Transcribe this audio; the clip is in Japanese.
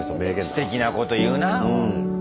すてきなこと言うなあ！